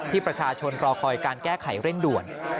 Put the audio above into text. ประชาชนรอคอยการแก้ไขเร่งด่วน